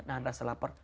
nah rasa lapar